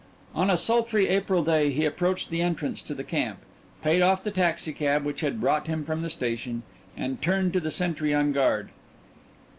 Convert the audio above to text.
On a sultry April day he approached the entrance to the camp, paid off the taxicab which had brought him from the station, and turned to the sentry on guard.